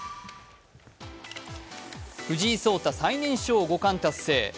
藤井聡太、最年少五冠達成。